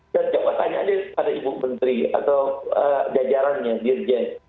dan jawabannya ada ibu menteri atau jajarannya dirjen